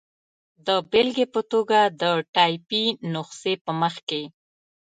د بېلګې په توګه، د ټایپي نسخې په مخ کې.